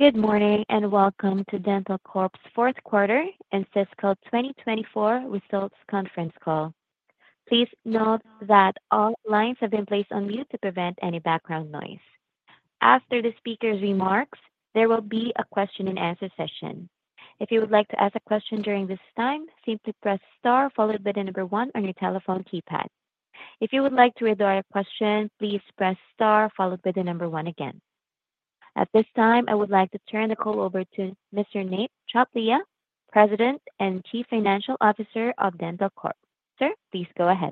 Good morning and welcome to Dentalcorp's fourth quarter and fiscal 2024 results conference call. Please note that all lines have been placed on mute to prevent any background noise. After the speaker's remarks, there will be a question-and-answer session. If you would like to ask a question during this time, simply press star followed by the number one on your telephone keypad. If you would like to retract a question, please press star followed by the number one again. At this time, I would like to turn the call over to Mr. Nate Tchaplia, President and Chief Financial Officer of Dentalcorp. Sir, please go ahead.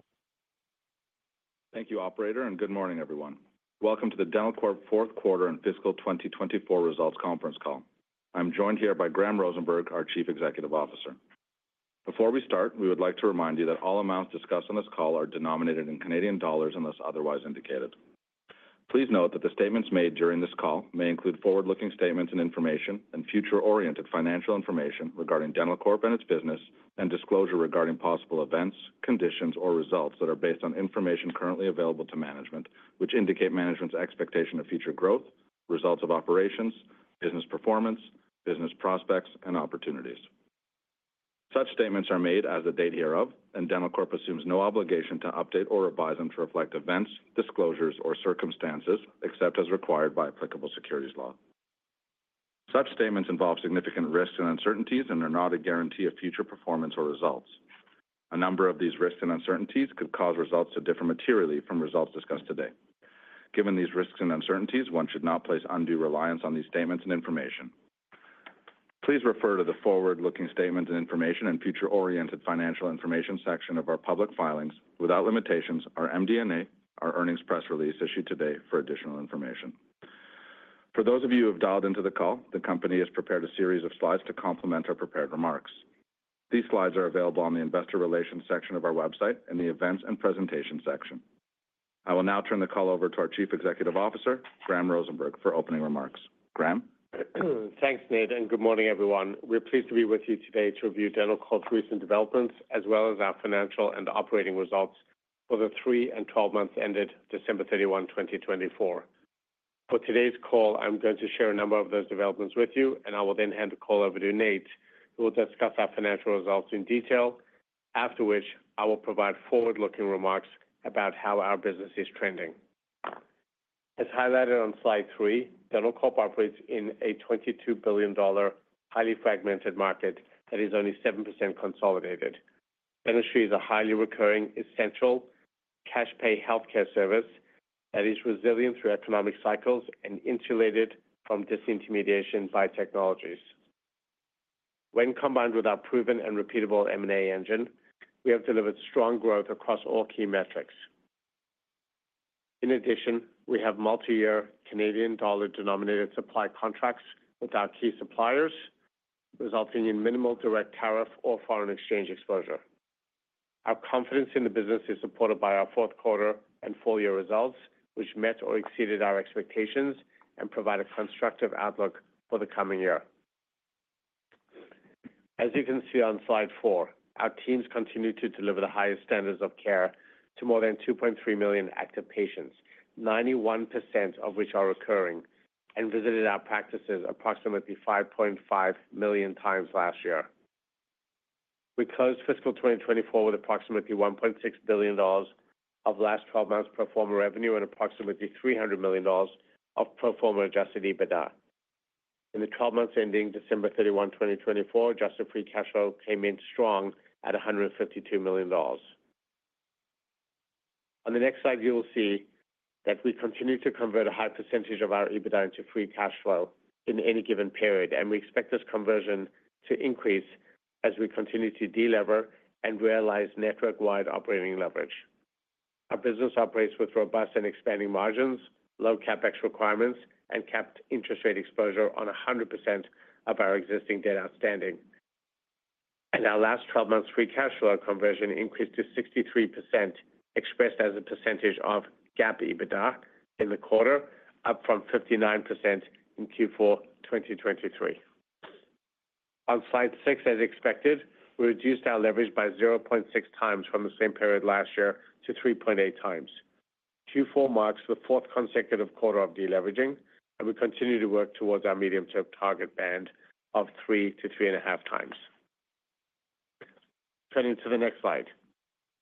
Thank you, Operator, and good morning, everyone. Welcome to the Dentalcorp fourth quarter and fiscal 2024 results conference call. I'm joined here by Graham Rosenberg, our Chief Executive Officer. Before we start, we would like to remind you that all amounts discussed on this call are denominated in Canadian dollars unless otherwise indicated. Please note that the statements made during this call may include forward-looking statements and information and future-oriented financial information regarding Dentalcorp and its business, and disclosure regarding possible events, conditions, or results that are based on information currently available to management, which indicate management's expectation of future growth, results of operations, business performance, business prospects, and opportunities. Such statements are made as of the date hereof, and Dentalcorp assumes no obligation to update or revise them to reflect events, disclosures, or circumstances, except as required by applicable securities law. Such statements involve significant risks and uncertainties and are not a guarantee of future performance or results. A number of these risks and uncertainties could cause results to differ materially from results discussed today. Given these risks and uncertainties, one should not place undue reliance on these statements and information. Please refer to the forward-looking statements and information and future-oriented financial information section of our public filings without limitations, our MD&A, our earnings press release issued today for additional information. For those of you who have dialed into the call, the company has prepared a series of slides to complement our prepared remarks. These slides are available on the investor relations section of our website and the events and presentation section. I will now turn the call over to our Chief Executive Officer, Graham Rosenberg, for opening remarks. Graham. Thanks, Nate, and good morning, everyone. We're pleased to be with you today to review Dentalcorp's recent developments as well as our financial and operating results for the three and twelve months ended December 31, 2024. For today's call, I'm going to share a number of those developments with you, and I will then hand the call over to Nate, who will discuss our financial results in detail, after which I will provide forward-looking remarks about how our business is trending. As highlighted on slide three, Dentalcorp operates in a 22 billion dollar highly fragmented market that is only 7% consolidated. Dentistry is a highly recurring, essential cash-pay healthcare service that is resilient through economic cycles and insulated from disintermediation by technologies. When combined with our proven and repeatable M&A engine, we have delivered strong growth across all key metrics. In addition, we have multi-year Canadian dollar-denominated supply contracts with our key suppliers, resulting in minimal direct tariff or foreign exchange exposure. Our confidence in the business is supported by our fourth quarter and full-year results, which met or exceeded our expectations and provide a constructive outlook for the coming year. As you can see on slide four, our teams continue to deliver the highest standards of care to more than 2.3 million active patients, 91% of which are recurring, and visited our practices approximately 5.5 million times last year. We closed fiscal 2024 with approximately 1.6 billion dollars of last 12 months pro forma revenue and approximately 300 million dollars of pro forma adjusted EBITDA. In the 12 months ending December 31, 2024, adjusted free cash flow came in strong at 152 million dollars. On the next slide, you will see that we continue to convert a high percentage of our EBITDA into free cash flow in any given period, and we expect this conversion to increase as we continue to delever and realize network-wide operating leverage. Our business operates with robust and expanding margins, low CapEx requirements, and capped interest rate exposure on 100% of our existing debt outstanding. Our last 12 months free cash flow conversion increased to 63%, expressed as a percentage of GAAP EBITDA in the quarter, up from 59% in Q4 2023. On slide six, as expected, we reduced our leverage by 0.6x from the same period last year to 3.8x. Q4 marks the fourth consecutive quarter of deleveraging, and we continue to work towards our medium-term target band of 3x-3.5x. Turning to the next slide,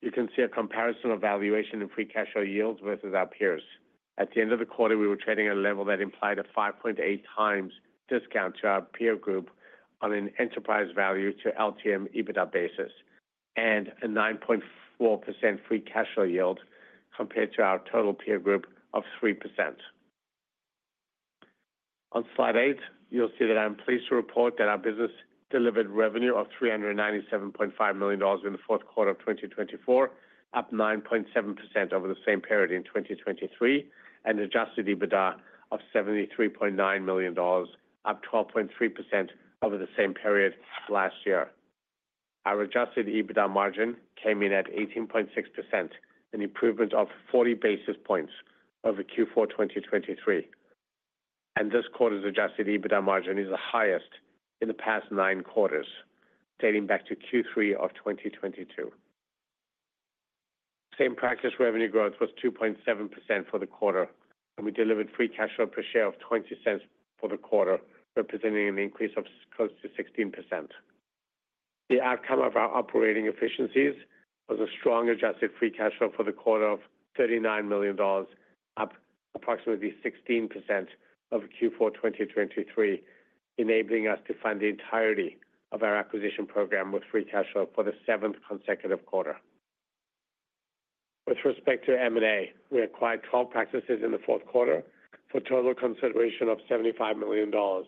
you can see a comparison of valuation and free cash flow yields versus our peers. At the end of the quarter, we were trading at a level that implied a 5.8x discount to our peer group on an enterprise value to LTM EBITDA basis and a 9.4% free cash flow yield compared to our total peer group of 3%. On slide eight, you'll see that I'm pleased to report that our business delivered revenue of 397.5 million dollars in the fourth quarter of 2024, up 9.7% over the same period in 2023, and adjusted EBITDA of 73.9 million dollars, up 12.3% over the same period last year. Our adjusted EBITDA margin came in at 18.6%, an improvement of 40 basis points over Q4 2023. This quarter's adjusted EBITDA margin is the highest in the past nine quarters, dating back to Q3 of 2022. Same practice revenue growth was 2.7% for the quarter, and we delivered free cash flow per share of 0.20 for the quarter, representing an increase of close to 16%. The outcome of our operating efficiencies was a strong adjusted free cash flow for the quarter of 39 million dollars, up approximately 16% over Q4 2023, enabling us to fund the entirety of our acquisition program with free cash flow for the seventh consecutive quarter. With respect to M&A, we acquired 12 practices in the fourth quarter for a total consideration of 75 million dollars.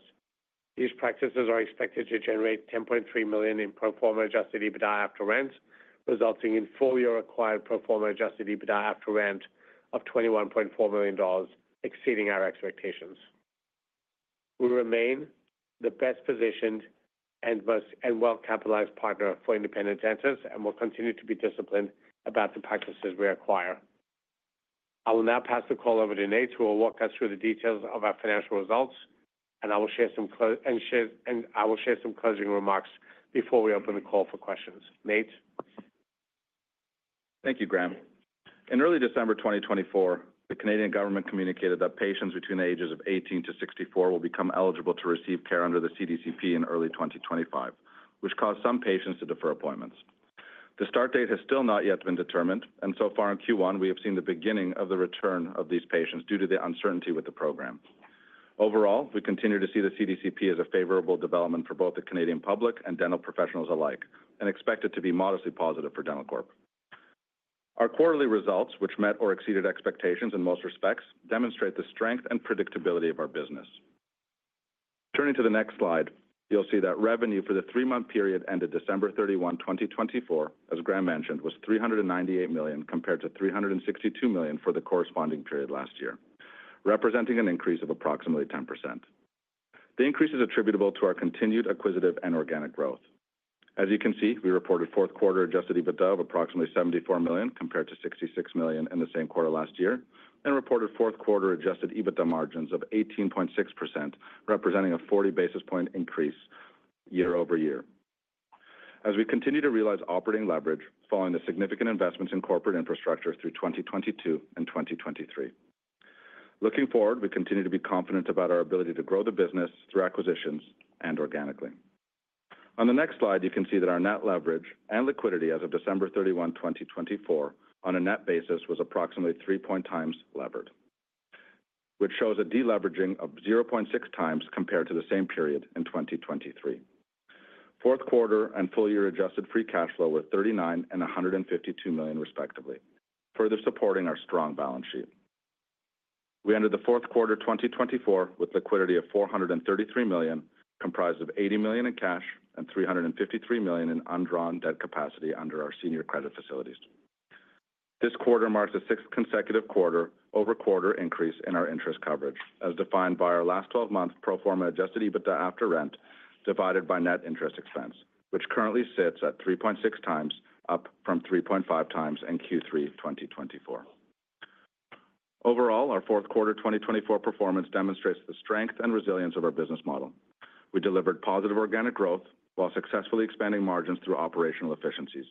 These practices are expected to generate 10.3 million in pro forma adjusted EBITDA after rent, resulting in full-year acquired pro forma adjusted EBITDA after rent of 21.4 million dollars, exceeding our expectations. We remain the best-positioned and well-capitalized partner for independent dentists and will continue to be disciplined about the practices we acquire. I will now pass the call over to Nate, who will walk us through the details of our financial results, and I will share some closing remarks before we open the call for questions. Nate? Thank you, Graham. In early December 2024, the Canadian government communicated that patients between the ages of 18-64 will become eligible to receive care under the CDCP in early 2025, which caused some patients to defer appointments. The start date has still not yet been determined, and so far in Q1, we have seen the beginning of the return of these patients due to the uncertainty with the program. Overall, we continue to see the CDCP as a favorable development for both the Canadian public and dental professionals alike and expect it to be modestly positive for Dentalcorp. Our quarterly results, which met or exceeded expectations in most respects, demonstrate the strength and predictability of our business. Turning to the next slide, you'll see that revenue for the three-month period ended December 31, 2024, as Graham mentioned, was 398 million compared to 362 million for the corresponding period last year, representing an increase of approximately 10%. The increase is attributable to our continued acquisitive and organic growth. As you can see, we reported fourth quarter adjusted EBITDA of approximately 74 million compared to 66 million in the same quarter last year and reported fourth quarter adjusted EBITDA margins of 18.6%, representing a 40 basis point increase year-over-year. As we continue to realize operating leverage following the significant investments in corporate infrastructure through 2022 and 2023. Looking forward, we continue to be confident about our ability to grow the business through acquisitions and organically. On the next slide, you can see that our net leverage and liquidity as of December 31, 2024, on a net basis was approximately 3.0x levered, which shows a deleveraging of 0.6x compared to the same period in 2023. Fourth quarter and full-year adjusted free cash flow were 39 million and 152 million, respectively, further supporting our strong balance sheet. We ended the fourth quarter 2024 with liquidity of 433 million, comprised of 80 million in cash and 353 million in undrawn debt capacity under our senior credit facilities. This quarter marks the sixth consecutive quarter-over-quarter increase in our interest coverage, as defined by our last 12 months pro forma adjusted EBITDA after rent divided by net interest expense, which currently sits at 3.6x, up from 3.5x in Q3 2024. Overall, our fourth quarter 2024 performance demonstrates the strength and resilience of our business model. We delivered positive organic growth while successfully expanding margins through operational efficiencies.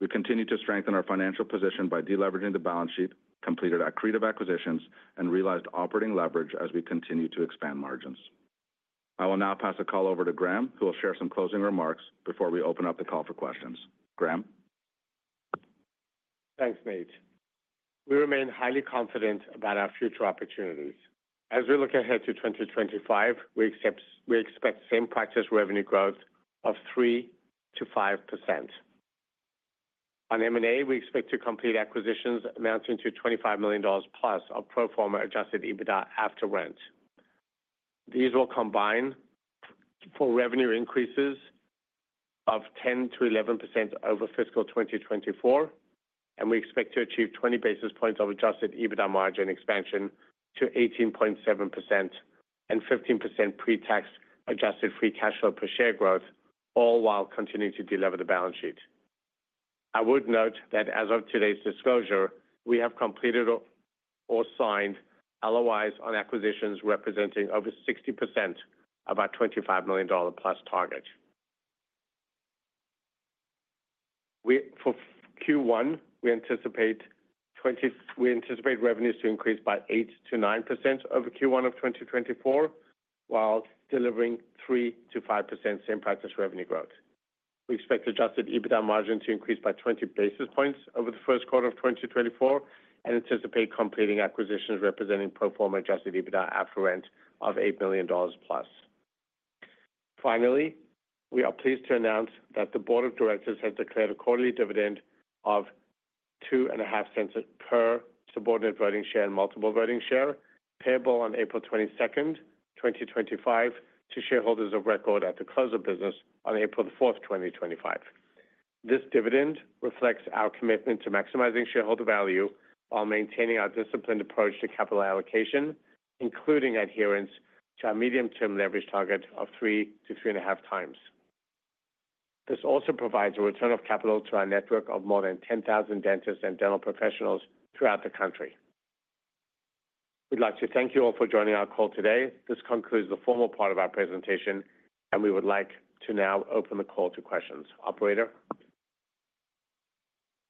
We continue to strengthen our financial position by deleveraging the balance sheet, completed accretive acquisitions, and realized operating leverage as we continue to expand margins. I will now pass the call over to Graham, who will share some closing remarks before we open up the call for questions. Graham? Thanks, Nate. We remain highly confident about our future opportunities. As we look ahead to 2025, we expect the same practice revenue growth of 3%-5%. On M&A, we expect to complete acquisitions amounting to 25 million dollars plus of pro forma adjusted EBITDA after rent. These will combine for revenue increases of 10%-11% over fiscal 2024, and we expect to achieve 20 basis points of adjusted EBITDA margin expansion to 18.7% and 15% pre-tax adjusted free cash flow per share growth, all while continuing to deleverage the balance sheet. I would note that as of today's disclosure, we have completed or signed LOIs on acquisitions representing over 60% of our 25 million dollar plus target. For Q1, we anticipate revenues to increase by 8%-9% over Q1 of 2024, while delivering 3%-5% same practice revenue growth. We expect adjusted EBITDA margin to increase by 20 basis points over the first quarter of 2024 and anticipate completing acquisitions representing pro forma adjusted EBITDA after rent of 8 million dollars plus. Finally, we are pleased to announce that the Board of Directors has declared a quarterly dividend of 0.025 per Subordinate Voting Share and Multiple Voting Share, payable on April 22nd, 2025, to shareholders of record at the close of business on April 4th, 2025. This dividend reflects our commitment to maximizing shareholder value while maintaining our disciplined approach to capital allocation, including adherence to our medium-term leverage target of 3x-3.5x. This also provides a return of capital to our network of more than 10,000 dentists and dental professionals throughout the country. We'd like to thank you all for joining our call today. This concludes the formal part of our presentation, and we would like to now open the call to questions. Operator?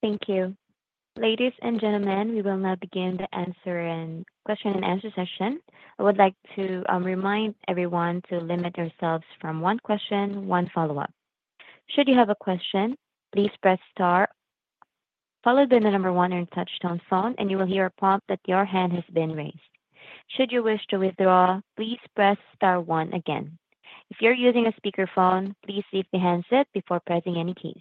Thank you. Ladies and gentlemen, we will now begin the question and answer session. I would like to remind everyone to limit yourselves to one question, one follow-up. Should you have a question, please press star, followed by the number one on the touch-tone phone, and you will hear a prompt that your hand has been raised. Should you wish to withdraw, please press star one again. If you're using a speakerphone, please lift the handset before pressing any keys.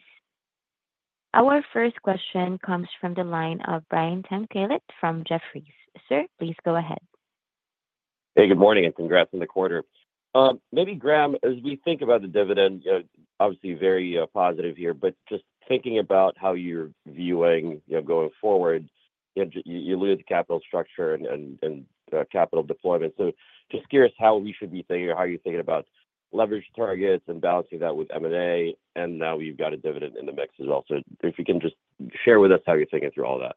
Our first question comes from the line of Brian Tanquilut from Jefferies. Sir, please go ahead. Hey, good morning and congrats on the quarter. Maybe, Graham, as we think about the dividend, obviously very positive here, but just thinking about how you're viewing going forward, you alluded to capital structure and capital deployment. Just curious how we should be thinking or how you're thinking about leverage targets and balancing that with M&A, and now we've got a dividend in the mix as well. If you can just share with us how you're thinking through all that.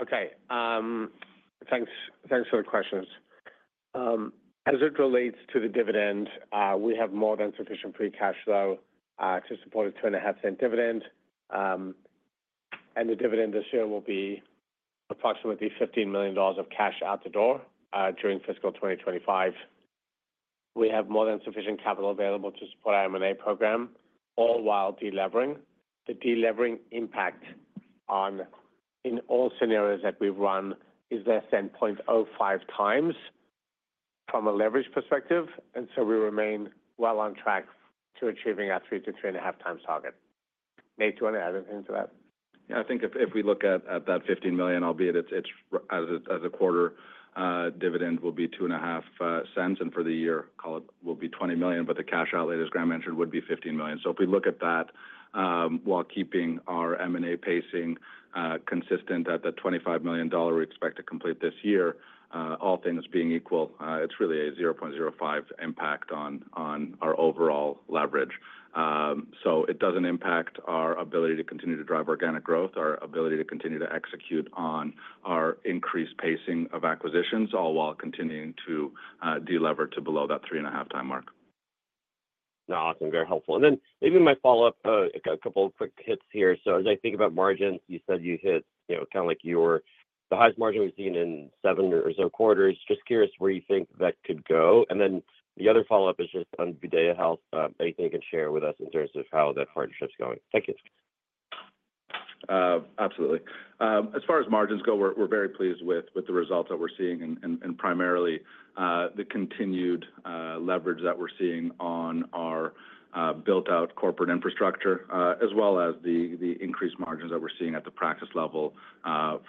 Okay. Thanks for the questions. As it relates to the dividend, we have more than sufficient free cash flow to support a 0.025 dividend, and the dividend this year will be approximately 15 million dollars of cash out the door during fiscal 2025. We have more than sufficient capital available to support our M&A program, all while deleveraging. The deleveraging impact in all scenarios that we've run is less than 0.05x from a leverage perspective, and we remain well on track to achieving our 3x-3.5x target. Nate, do you want to add anything to that? Yeah, I think if we look at that 15 million, albeit as a quarter, dividend will be 0.025, and for the year, call it will be 20 million, but the cash outlay, as Graham mentioned, would be 15 million. If we look at that while keeping our M&A pacing consistent at the CAD 25 million we expect to complete this year, all things being equal, it's really a 0.05x impact on our overall leverage. It doesn't impact our ability to continue to drive organic growth, our ability to continue to execute on our increased pacing of acquisitions, all while continuing to delever to below that 3.5x mark. No, awesome. Very helpful. Maybe my follow-up, a couple of quick hits here. As I think about margins, you said you hit kind of like the highest margin we've seen in seven or so quarters. Just curious where you think that could go. The other follow-up is just on VideaHealth, anything you can share with us in terms of how that partnership's going. Thank you. Absolutely. As far as margins go, we're very pleased with the results that we're seeing and primarily the continued leverage that we're seeing on our built-out corporate infrastructure, as well as the increased margins that we're seeing at the practice level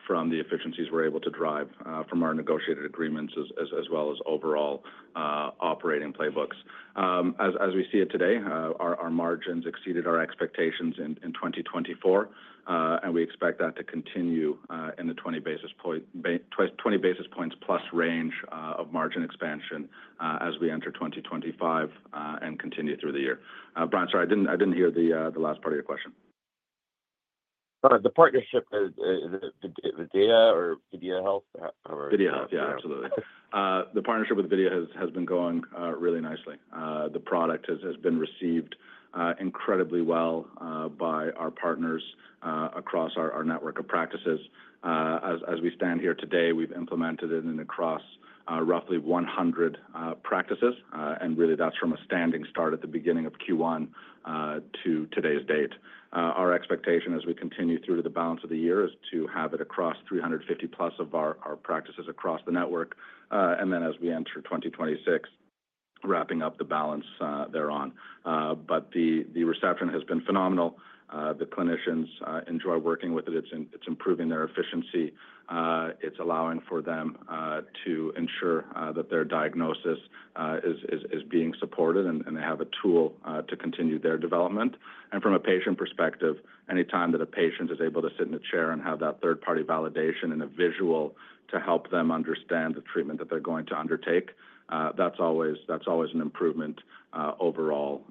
from the efficiencies we're able to drive from our negotiated agreements, as well as overall operating playbooks. As we see it today, our margins exceeded our expectations in 2024, and we expect that to continue in the 20 basis points plus range of margin expansion as we enter 2025 and continue through the year. Brian, sorry, I didn't hear the last part of your question. The partnership with Videa or VideaHealth? VideaHealth, yeah, absolutely. The partnership with VideaHealth has been going really nicely. The product has been received incredibly well by our partners across our network of practices. As we stand here today, we've implemented it in across roughly 100 practices, and really that's from a standing start at the beginning of Q1 to today's date. Our expectation as we continue through to the balance of the year is to have it across 350+ of our practices across the network, and then as we enter 2026, wrapping up the balance thereon. The reception has been phenomenal. The clinicians enjoy working with it. It's improving their efficiency. It's allowing for them to ensure that their diagnosis is being supported, and they have a tool to continue their development. From a patient perspective, anytime that a patient is able to sit in a chair and have that third-party validation and a visual to help them understand the treatment that they're going to undertake, that's always an improvement overall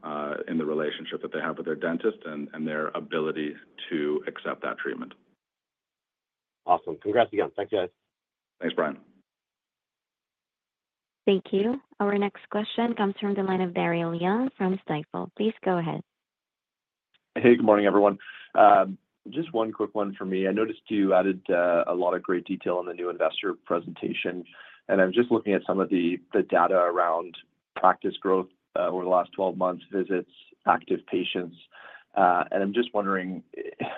in the relationship that they have with their dentist and their ability to accept that treatment. Awesome. Congrats again. Thank you, guys. Thanks, Brian. Thank you. Our next question comes from the line of Daryl Young from Stifel. Please go ahead. Hey, good morning, everyone. Just one quick one for me. I noticed you added a lot of great detail in the new investor presentation, and I was just looking at some of the data around practice growth over the last 12 months, visits, active patients. I'm just wondering,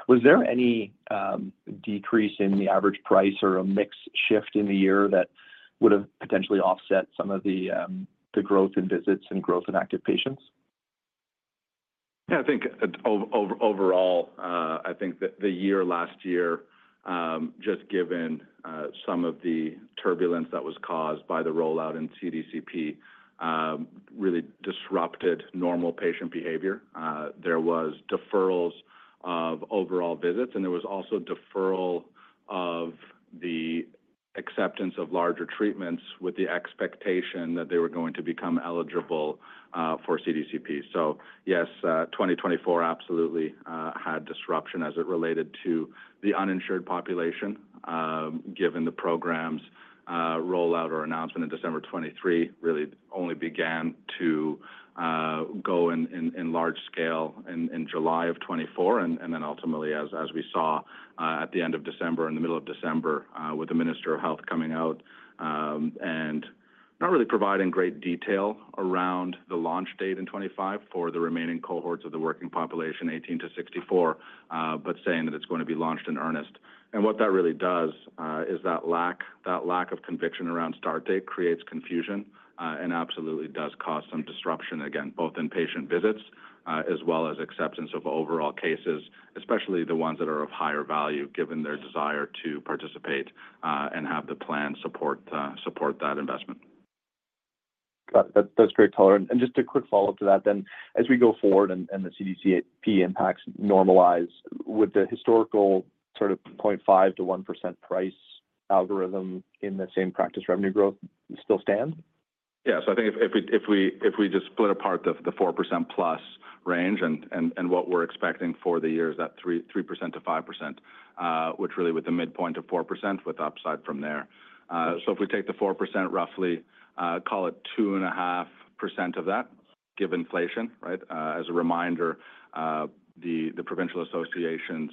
was there any decrease in the average price or a mixed shift in the year that would have potentially offset some of the growth in visits and growth in active patients? Yeah, I think overall, I think the year last year, just given some of the turbulence that was caused by the rollout in CDCP, really disrupted normal patient behavior. There were deferrals of overall visits, and there was also deferral of the acceptance of larger treatments with the expectation that they were going to become eligible for CDCP. Yes, 2024 absolutely had disruption as it related to the uninsured population, given the program's rollout or announcement in December 2023 really only began to go in large scale in July of 2024. Ultimately, as we saw at the end of December and the middle of December with the Minister of Health coming out and not really providing great detail around the launch date in 2025 for the remaining cohorts of the working population, 18-64, but saying that it's going to be launched in earnest. What that really does is that lack of conviction around start date creates confusion and absolutely does cause some disruption, again, both in patient visits as well as acceptance of overall cases, especially the ones that are of higher value given their desire to participate and have the plan support that investment. Got it. That's a great color. Just a quick follow-up to that then. As we go forward and the CDCP impacts normalize, would the historical sort of 0.5%-1% price algorithm in the same practice revenue growth still stand? Yeah. I think if we just split apart the 4%+ range and what we're expecting for the year is that 3%-5%, which really with the midpoint of 4% with upside from there. If we take the 4% roughly, call it 2.5% of that, give inflation, right? As a reminder, the provincial associations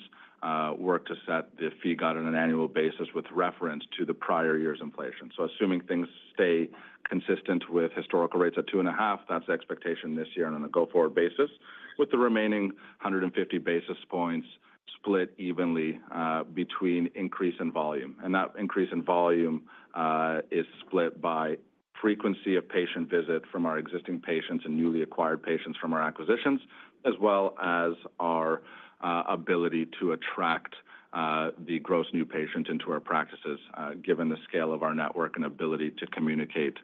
work to set the fee guide on an annual basis with reference to the prior year's inflation. Assuming things stay consistent with historical rates at 2.5%, that's the expectation this year on a go-forward basis, with the remaining 150 basis points split evenly between increase in volume. That increase in volume is split by frequency of patient visit from our existing patients and newly acquired patients from our acquisitions, as well as our ability to attract the gross new patients into our practices, given the scale of our network and ability to communicate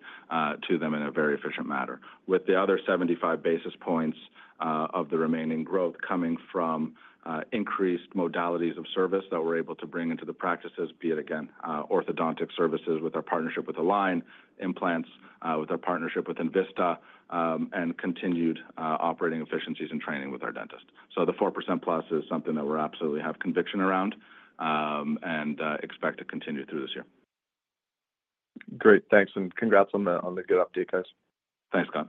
to them in a very efficient manner. The other 75 basis points of the remaining growth is coming from increased modalities of service that we're able to bring into the practices, be it, again, orthodontic services with our partnership with Align, with our partnership with Envista, and continued operating efficiencies and training with our dentists. The 4%+ is something that we absolutely have conviction around and expect to continue through this year. Great. Thanks. Congrats on the good update, guys. Thanks, Scott.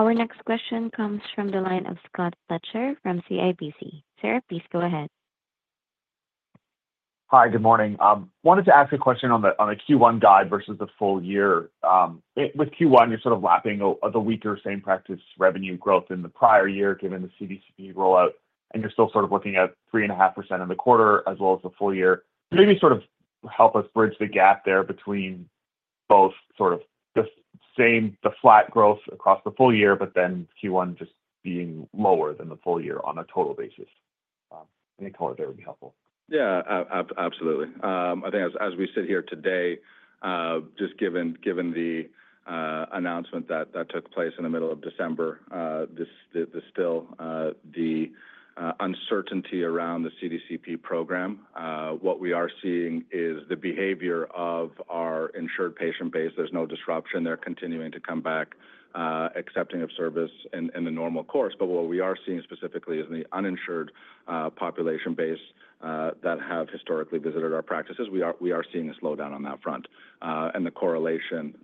Our next question comes from the line of Scott Fletcher from CIBC. Sir, please go ahead. Hi, good morning. Wanted to ask a question on the Q1 guide versus the full year. With Q1, you're sort of lapping the weaker same practice revenue growth in the prior year given the CDCP rollout, and you're still sort of looking at 3.5% in the quarter as well as the full year. Maybe sort of help us bridge the gap there between both sort of the flat growth across the full year, but then Q1 just being lower than the full year on a total basis. Any color there would be helpful. Yeah, absolutely. I think as we sit here today, just given the announcement that took place in the middle of December, there's still the uncertainty around the CDCP program. What we are seeing is the behavior of our insured patient base. There's no disruption. They're continuing to come back, accepting of service in the normal course. What we are seeing specifically is the uninsured population base that have historically visited our practices. We are seeing a slowdown on that front. The correlation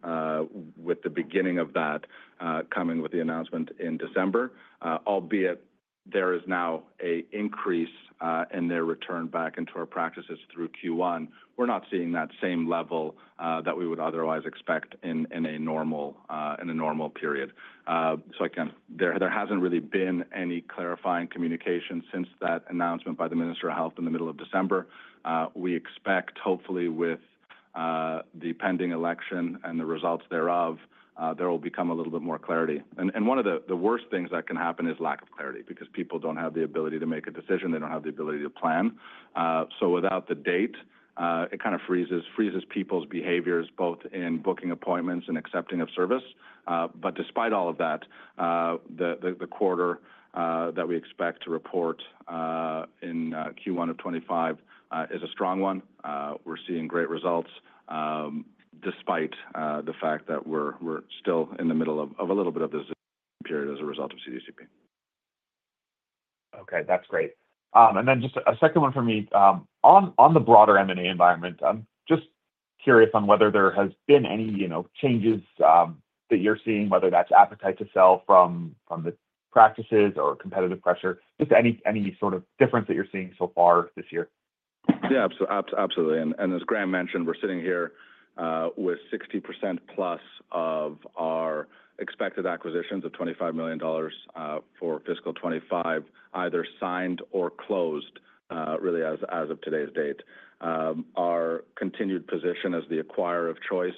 with the beginning of that coming with the announcement in December, albeit there is now an increase in their return back into our practices through Q1, we're not seeing that same level that we would otherwise expect in a normal period. Again, there hasn't really been any clarifying communication since that announcement by the Minister of Health in the middle of December. We expect, hopefully, with the pending election and the results thereof, there will become a little bit more clarity. One of the worst things that can happen is lack of clarity because people do not have the ability to make a decision. They do not have the ability to plan. Without the date, it kind of freezes people's behaviors both in booking appointments and accepting of service. Despite all of that, the quarter that we expect to report in Q1 of 2025 is a strong one. We are seeing great results despite the fact that we are still in the middle of a little bit of the zero period as a result of CDCP. Okay. That's great. Just a second one for me. On the broader M&A environment, I'm just curious on whether there has been any changes that you're seeing, whether that's appetite to sell from the practices or competitive pressure, just any sort of difference that you're seeing so far this year. Yeah, absolutely. As Graham mentioned, we're sitting here with 60%+ of our expected acquisitions of 25 million dollars for fiscal 2025, either signed or closed, really as of today's date. Our continued position as the acquirer of choice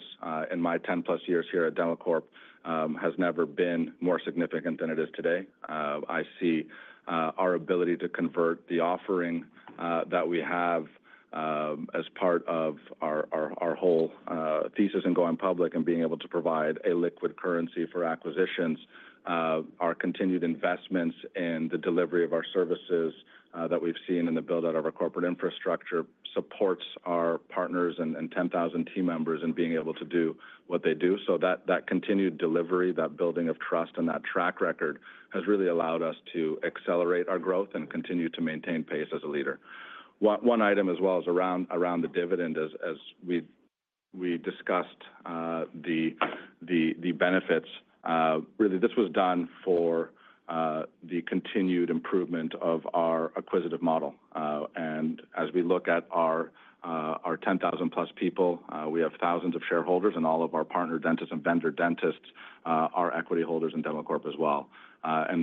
in my 10+ years here at Dentalcorp has never been more significant than it is today. I see our ability to convert the offering that we have as part of our whole thesis in going public and being able to provide a liquid currency for acquisitions, our continued investments in the delivery of our services that we've seen in the build-out of our corporate infrastructure supports our partners and 10,000 team members in being able to do what they do. That continued delivery, that building of trust, and that track record has really allowed us to accelerate our growth and continue to maintain pace as a leader. One item as well is around the dividend. As we discussed the benefits, really, this was done for the continued improvement of our acquisitive model. As we look at our 10,000+ people, we have thousands of shareholders and all of our partner dentists and vendor dentists, our equity holders in Dentalcorp as well.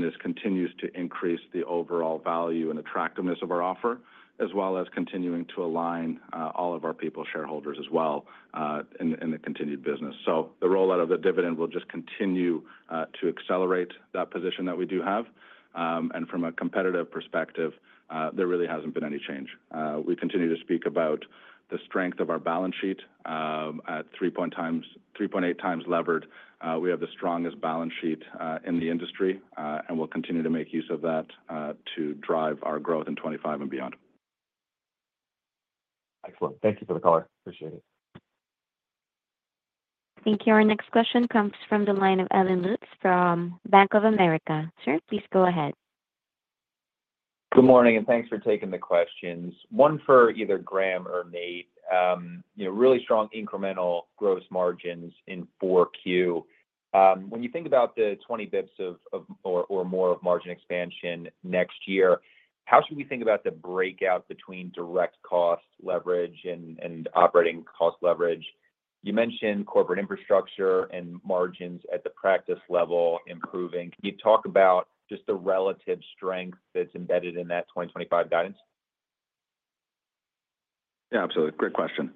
This continues to increase the overall value and attractiveness of our offer, as well as continuing to align all of our people, shareholders as well, in the continued business. The rollout of the dividend will just continue to accelerate that position that we do have. From a competitive perspective, there really hasn't been any change. We continue to speak about the strength of our balance sheet at 3.8x levered. We have the strongest balance sheet in the industry, and we'll continue to make use of that to drive our growth in 2025 and beyond. Excellent. Thank you for the call. Appreciate it. Thank you. Our next question comes from the line of Allen Lutz from Bank of America. Sir, please go ahead. Good morning, and thanks for taking the questions. One for either Graham or Nate. Really strong incremental gross margins in 4Q. When you think about the 20 bps or more of margin expansion next year, how should we think about the breakout between direct cost leverage and operating cost leverage? You mentioned corporate infrastructure and margins at the practice level improving. Can you talk about just the relative strength that's embedded in that 2025 guidance? Yeah, absolutely. Great question.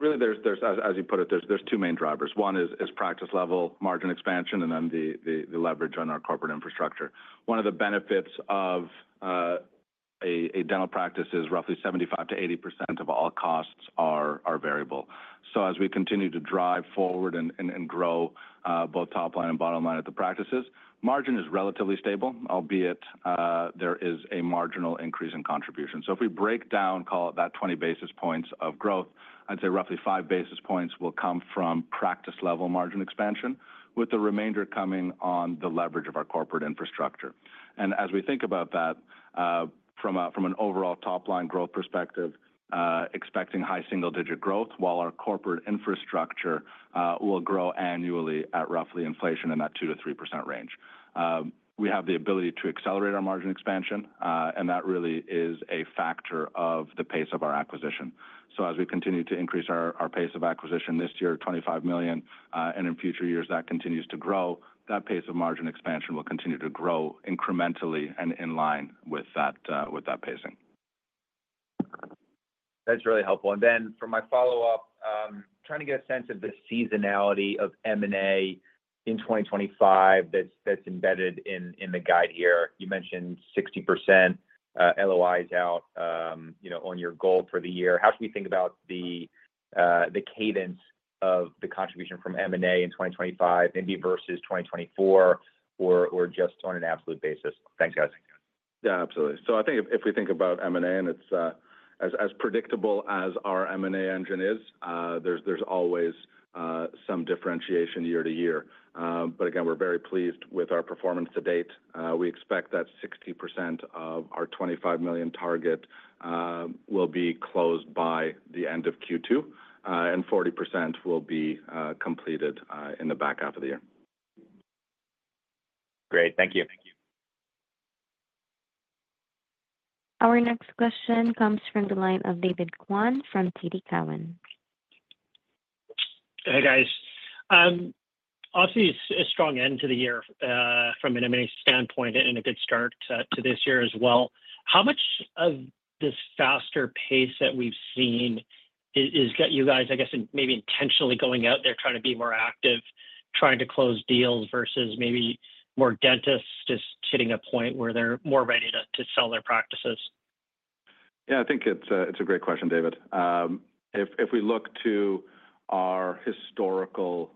Really, as you put it, there's two main drivers. One is practice-level margin expansion, and then the leverage on our corporate infrastructure. One of the benefits of a dental practice is roughly 75%-80% of all costs are variable. As we continue to drive forward and grow both top line and bottom line at the practices, margin is relatively stable, albeit there is a marginal increase in contribution. If we break down, call it that 20 basis points of growth, I'd say roughly 5 basis points will come from practice-level margin expansion, with the remainder coming on the leverage of our corporate infrastructure. As we think about that, from an overall top-line growth perspective, expecting high single-digit growth, while our corporate infrastructure will grow annually at roughly inflation in that 2%-3% range. We have the ability to accelerate our margin expansion, and that really is a factor of the pace of our acquisition. As we continue to increase our pace of acquisition this year, 25 million, and in future years that continues to grow, that pace of margin expansion will continue to grow incrementally and in line with that pacing. That's really helpful. For my follow-up, trying to get a sense of the seasonality of M&A in 2025 that's embedded in the guide here. You mentioned 60% LOIs out on your goal for the year. How should we think about the cadence of the contribution from M&A in 2025, maybe versus 2024, or just on an absolute basis? Thanks, guys. Yeah, absolutely. I think if we think about M&A and it's as predictable as our M&A engine is, there's always some differentiation year to year. Again, we're very pleased with our performance to date. We expect that 60% of our 25 million target will be closed by the end of Q2, and 40% will be completed in the back half of the year. Great. Thank you. Thank you. Our next question comes from the line of David Kwan from TD Cowen. Hey, guys. Obviously, a strong end to the year from an M&A standpoint and a good start to this year as well. How much of this faster pace that we've seen has got you guys, I guess, maybe intentionally going out there, trying to be more active, trying to close deals versus maybe more dentists just hitting a point where they're more ready to sell their practices? Yeah, I think it's a great question, David. If we look to our historical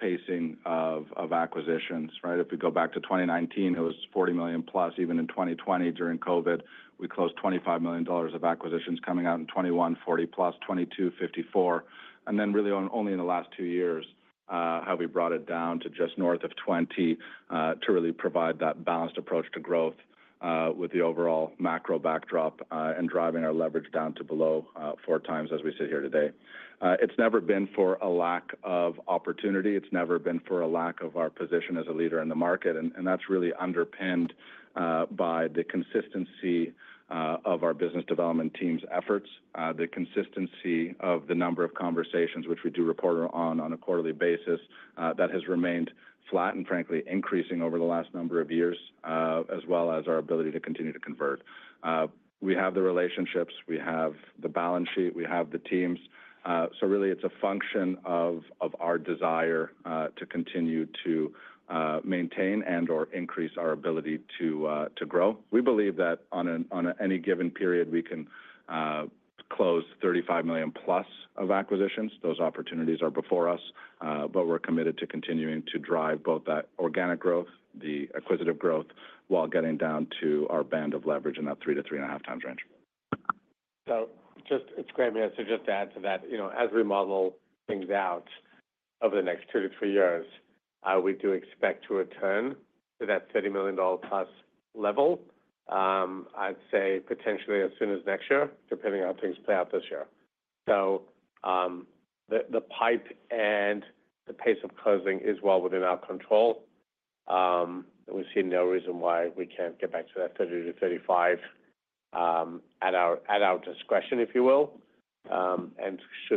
pacing of acquisitions, right? If we go back to 2019, it was 40 million plus. Even in 2020, during COVID, we closed 25 million dollars of acquisitions. Coming out in 2021, 40 million plus, 2022, 54 million. Really only in the last two years, we brought it down to just north of 20 million to really provide that balanced approach to growth with the overall macro backdrop and driving our leverage down to below 4x as we sit here today. It's never been for a lack of opportunity. It's never been for a lack of our position as a leader in the market. That is really underpinned by the consistency of our business development team's efforts, the consistency of the number of conversations, which we do report on a quarterly basis, that has remained flat and frankly increasing over the last number of years, as well as our ability to continue to convert. We have the relationships. We have the balance sheet. We have the teams. It is really a function of our desire to continue to maintain and/or increase our ability to grow. We believe that on any given period, we can close 35 million plus of acquisitions. Those opportunities are before us, but we are committed to continuing to drive both that organic growth, the acquisitive growth, while getting down to our band of leverage in that 3x-3.5x range. Just to add to that, as we model things out over the next two to three years, we do expect to return to that 30 million dollar plus level. I'd say potentially as soon as next year, depending on how things play out this year. The pipe and the pace of closing is well within our control. We see no reason why we can't get back to that 30 million-35 million at our discretion, if you will.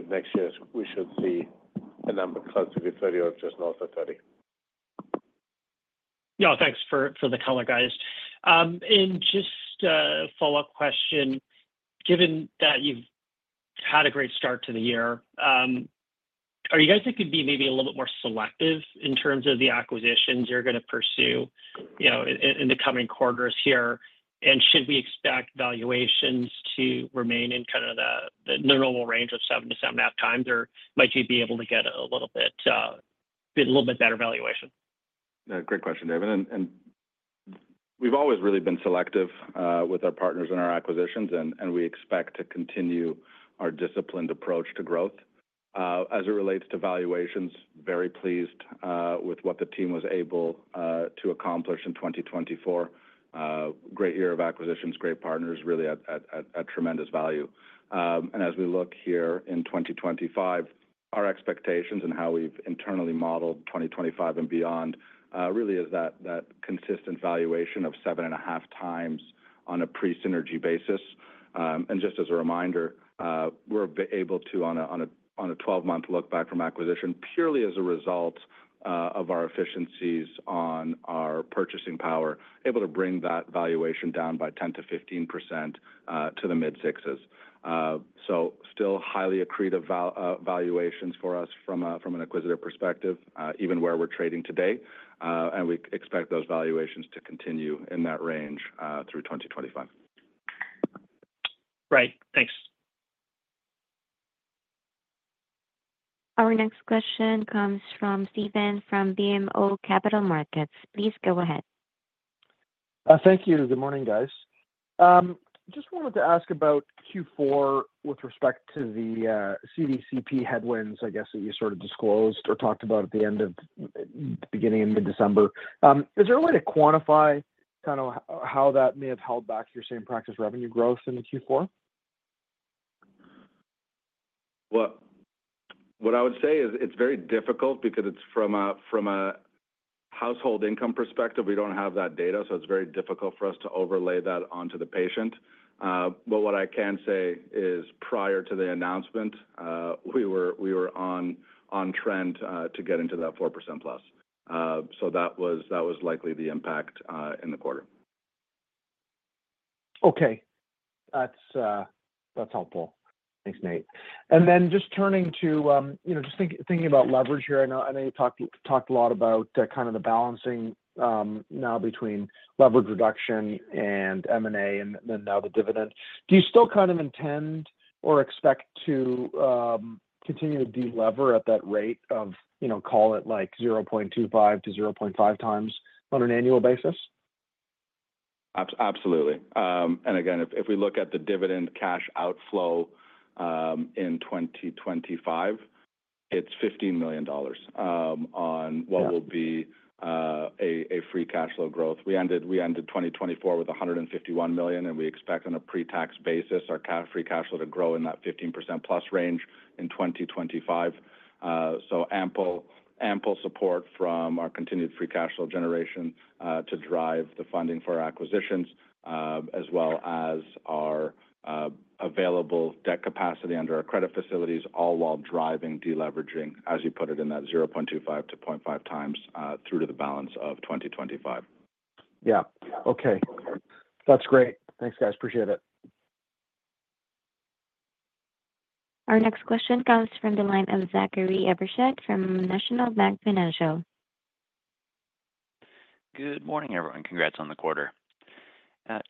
Next year, we should see a number closer to 30 million or just north of 30 million. Yeah, thanks for the color, guys. Just a follow-up question. Given that you've had a great start to the year, are you guys thinking of being maybe a little bit more selective in terms of the acquisitions you're going to pursue in the coming quarters here? Should we expect valuations to remain in kind of the normal range of 7x-7.5x, or might you be able to get a little bit better valuation? Great question, David. We have always really been selective with our partners in our acquisitions, and we expect to continue our disciplined approach to growth. As it relates to valuations, very pleased with what the team was able to accomplish in 2024. Great year of acquisitions, great partners, really at tremendous value. As we look here in 2025, our expectations and how we have internally modeled 2025 and beyond really is that consistent valuation of 7.5x on a pre-synergy basis. Just as a reminder, we are able to, on a 12-month look back from acquisition, purely as a result of our efficiencies on our purchasing power, bring that valuation down by 10%-15% to the mid-sixes. Still highly accretive valuations for us from an acquisitive perspective, even where we are trading today. We expect those valuations to continue in that range through 2025. Great. Thanks. Our next question comes from Stephen from BMO Capital Markets. Please go ahead. Thank you. Good morning, guys. Just wanted to ask about Q4 with respect to the CDCP headwinds, I guess, that you sort of disclosed or talked about at the beginning of mid-December. Is there a way to quantify kind of how that may have held back your same practice revenue growth in Q4? What I would say is it's very difficult because from a household income perspective, we don't have that data, so it's very difficult for us to overlay that onto the patient. What I can say is prior to the announcement, we were on trend to get into that 4%+. That was likely the impact in the quarter. Okay. That's helpful. Thanks, Nate. Just turning to just thinking about leverage here, I know you talked a lot about kind of the balancing now between leverage reduction and M&A and now the dividend. Do you still kind of intend or expect to continue to delever at that rate of, call it like 0.25x-0.5x on an annual basis? Absolutely. If we look at the dividend cash outflow in 2025, it is 15 million dollars on what will be a free cash flow growth. We ended 2024 with 151 million, and we expect on a pre-tax basis, our free cash flow to grow in that 15%+ range in 2025. Ample support from our continued free cash flow generation drives the funding for our acquisitions, as well as our available debt capacity under our credit facilities, all while driving deleveraging, as you put it, in that 0.25x-0.5x through to the balance of 2025. Yeah. Okay. That's great. Thanks, guys. Appreciate it. Our next question comes from the line of Zachary Evershed from National Bank Financial. Good morning, everyone. Congrats on the quarter.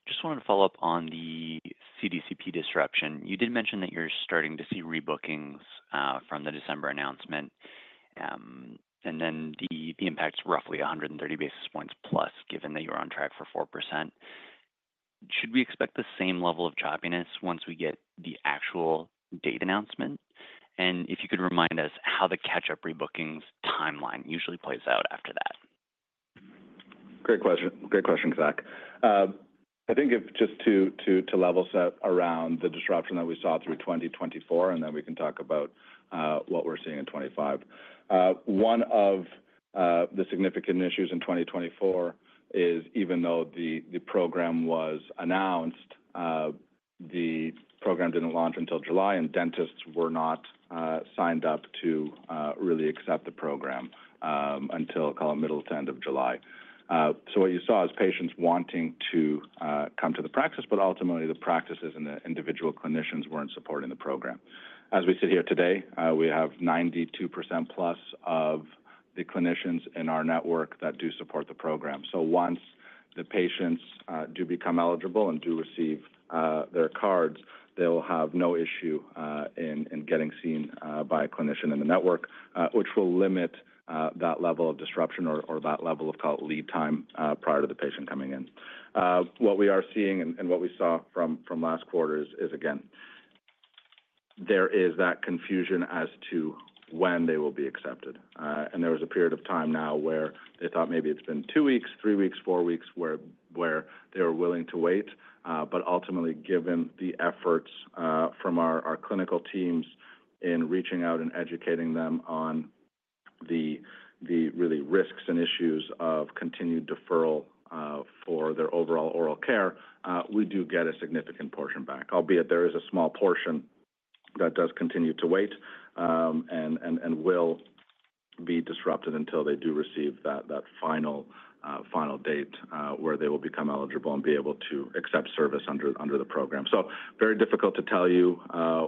Just wanted to follow up on the CDCP disruption. You did mention that you're starting to see rebookings from the December announcement, and the impact's roughly 130 basis points plus, given that you were on track for 4%. Should we expect the same level of choppiness once we get the actual date announcement? If you could remind us how the catch-up rebookings timeline usually plays out after that. Great question. Great question, Zach. I think just to level set around the disruption that we saw through 2024, and then we can talk about what we're seeing in 2025. One of the significant issues in 2024 is, even though the program was announced, the program did not launch until July, and dentists were not signed up to really accept the program until, call it, middle to end of July. What you saw is patients wanting to come to the practice, but ultimately, the practices and the individual clinicians were not supporting the program. As we sit here today, we have 92%+ of the clinicians in our network that do support the program. Once the patients do become eligible and do receive their cards, they will have no issue in getting seen by a clinician in the network, which will limit that level of disruption or that level of, call it, lead time prior to the patient coming in. What we are seeing and what we saw from last quarter is, again, there is that confusion as to when they will be accepted. And there was a period of time now where they thought maybe it has been two weeks, three weeks, four weeks where they were willing to wait. Ultimately, given the efforts from our clinical teams in reaching out and educating them on the real risks and issues of continued deferral for their overall oral care, we do get a significant portion back, albeit there is a small portion that does continue to wait and will be disrupted until they do receive that final date where they will become eligible and be able to accept service under the program. It is very difficult to tell you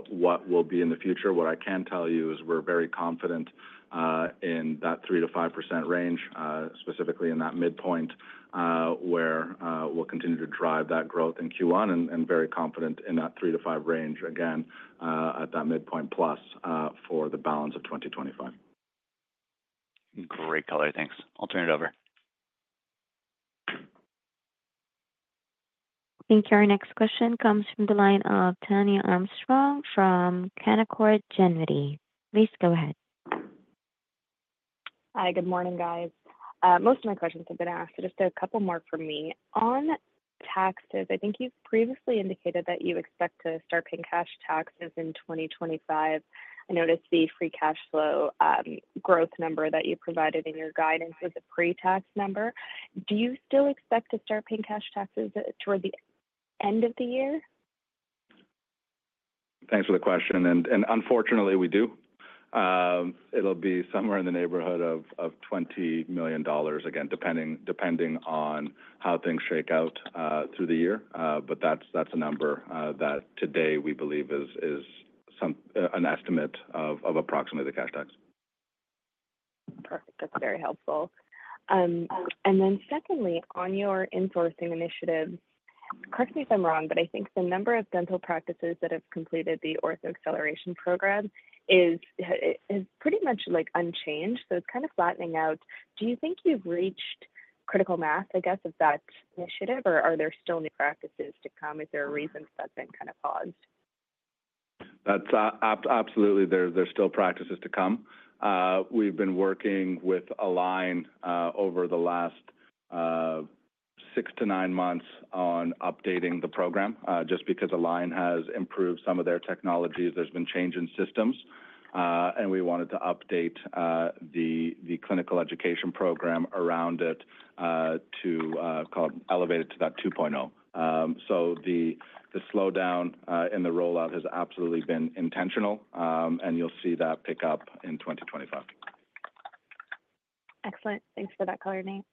what will be in the future. What I can tell you is we're very confident in that 3%-5% range, specifically in that midpoint, where we'll continue to drive that growth in Q1 and very confident in that 3%-5% range, again, at that midpoint plus for the balance of 2025. Great color. Thanks. I'll turn it over. Thank you. Our next question comes from the line of Tania Armstrong from Canaccord Genuity. Please go ahead. Hi. Good morning, guys. Most of my questions have been asked. Just a couple more from me. On taxes, I think you've previously indicated that you expect to start paying cash taxes in 2025. I noticed the free cash flow growth number that you provided in your guidance was a pre-tax number. Do you still expect to start paying cash taxes toward the end of the year? Thanks for the question. Unfortunately, we do. It'll be somewhere in the neighborhood of 20 million dollars, again, depending on how things shake out through the year. That's a number that today we believe is an estimate of approximately the cash tax. Perfect. That's very helpful. Secondly, on your in-sourcing initiatives, correct me if I'm wrong, but I think the number of dental practices that have completed the Ortho Acceleration Program is pretty much unchanged. It is kind of flattening out. Do you think you've reached critical mass, I guess, of that initiative, or are there still new practices to come? Is there a reason that's been kind of paused? Absolutely. There's still practices to come. We've been working with Align over the last six to nine months on updating the program. Just because Align has improved some of their technologies, there's been change in systems, and we wanted to update the clinical education program around it to, call it, elevate it to that 2.0. The slowdown in the rollout has absolutely been intentional, and you'll see that pick up in 2025. Excellent. Thanks for that color, Nate.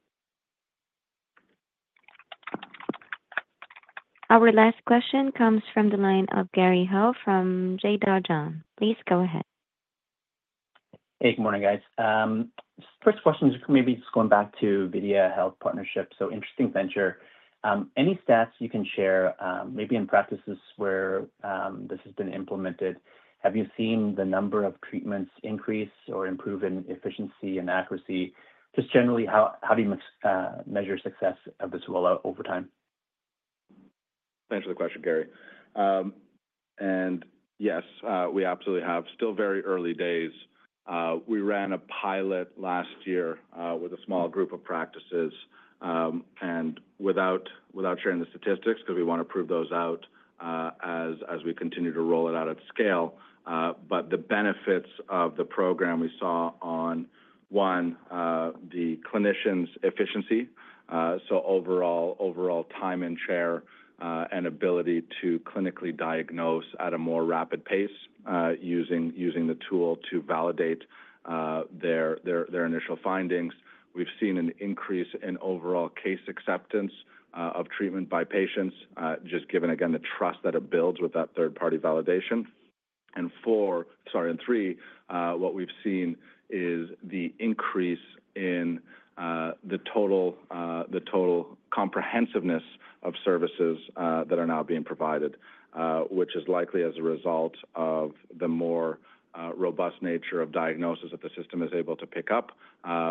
Our last question comes from the line of Gary Ho from Desjardins. Please go ahead. Hey, good morning, guys. First question is maybe just going back to VideaHealth partnership. So interesting venture. Any stats you can share, maybe in practices where this has been implemented? Have you seen the number of treatments increase or improve in efficiency and accuracy? Just generally, how do you measure success of this rollout over time? Thanks for the question, Gary. Yes, we absolutely have. Still very early days. We ran a pilot last year with a small group of practices, and without sharing the statistics, because we want to prove those out as we continue to roll it out at scale. The benefits of the program we saw on, one, the clinician's efficiency, so overall time in chair and ability to clinically diagnose at a more rapid pace using the tool to validate their initial findings. We've seen an increase in overall case acceptance of treatment by patients, just given, again, the trust that it builds with that third-party validation. Four, sorry, three, what we've seen is the increase in the total comprehensiveness of services that are now being provided, which is likely as a result of the more robust nature of diagnosis that the system is able to pick up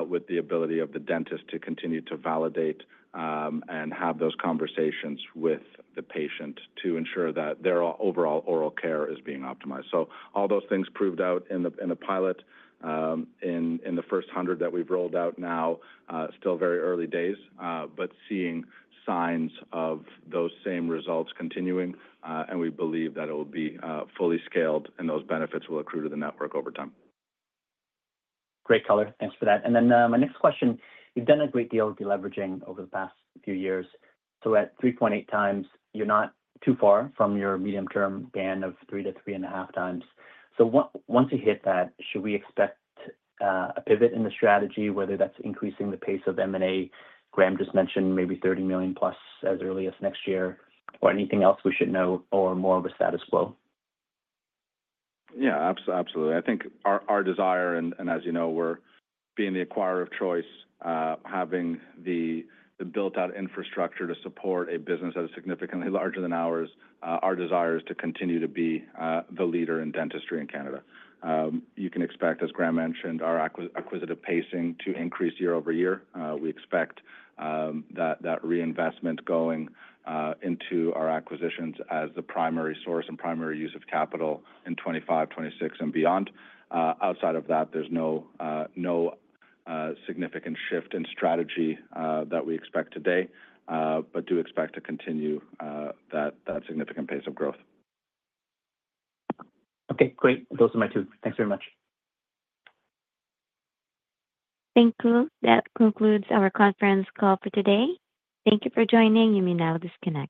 with the ability of the dentist to continue to validate and have those conversations with the patient to ensure that their overall oral care is being optimized. All those things proved out in the pilot in the first hundred that we've rolled out now, still very early days, but seeing signs of those same results continuing. We believe that it will be fully scaled, and those benefits will accrue to the network over time. Great color. Thanks for that. My next question, you've done a great deal with deleveraging over the past few years. At 3.8x, you're not too far from your medium-term band of 3x-3.5x. Once you hit that, should we expect a pivot in the strategy, whether that's increasing the pace of M&A? Graham just mentioned maybe 30 million plus as early as next year. Anything else we should know or more of a status quo? Yeah, absolutely. I think our desire, and as you know, we're being the acquirer of choice, having the built-out infrastructure to support a business that is significantly larger than ours. Our desire is to continue to be the leader in dentistry in Canada. You can expect, as Graham mentioned, our acquisitive pacing to increase year-over-year. We expect that reinvestment going into our acquisitions as the primary source and primary use of capital in 2025, 2026, and beyond. Outside of that, there's no significant shift in strategy that we expect today, but do expect to continue that significant pace of growth. Okay. Great. Those are my two. Thanks very much. Thank you. That concludes our conference call for today. Thank you for joining. You may now disconnect.